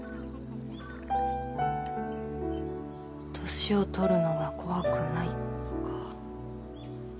年を取るのは怖くないか。